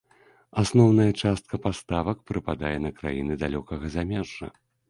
Асноўная частка паставак прыпадае на краіны далёкага замежжа.